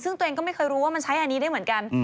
ซึ่งตัวเองก็ไม่เคยรู้ว่ามันใช้อันนี้ได้เหมือนกัน